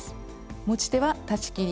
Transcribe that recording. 持ち手は裁ち切り。